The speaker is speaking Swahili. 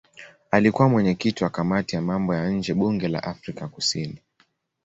Alikuwa mwenyekiti wa kamati ya mambo ya nje ya bunge la Afrika Kusini.